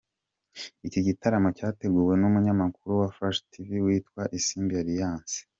Iki gitaramo cyateguwe n’umunyamakuru wa Flash Tv witwa Isimbi Alliance.